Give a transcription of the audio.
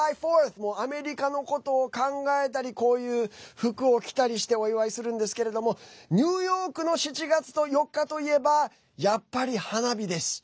アメリカのことを考えたりこういう服を着たりしてお祝いするんですけれどもニューヨークの７月４日といえばやっぱり花火です。